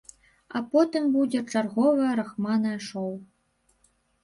А потым будзе чарговае рахманае шоў.